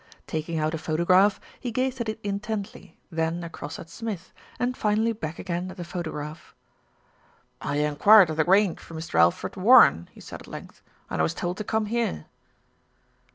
Taking out a photograph, he gazed at it intently, then across at Smith, and finally back again at the photograph. "I enquired at The Grange for Mr. Alfred War ren," he said at length, "and I was told to come here."